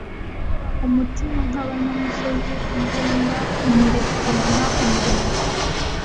umutima nkabanyamusozi imbunda nyirekurana umurego